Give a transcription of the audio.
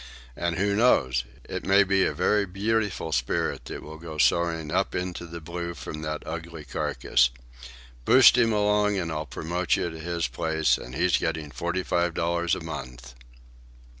And who knows?—it may be a very beautiful spirit that will go soaring up into the blue from that ugly carcass. Boost him along, and I'll promote you to his place, and he's getting forty five dollars a month."